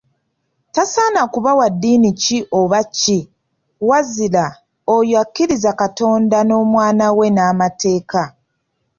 Tasaana kuba wa ddiini ki oba ki, wazira oyo akkiriza Katonda n'Omwana we n'amateeka.